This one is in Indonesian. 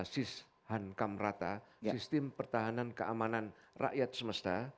sistem pertahanan keamanan rakyat semesta